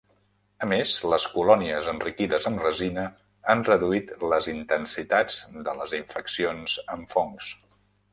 A més, les colònies enriquides amb resina han reduït les intensitats de les infeccions amb fongs.